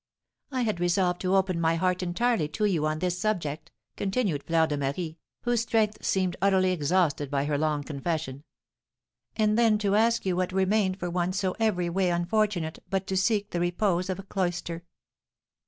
I had resolved to open my heart entirely to you on this subject," continued Fleur de Marie, whose strength seemed utterly exhausted by her long confession, "and then to ask you what remained for one so every way unfortunate but to seek the repose of a cloister."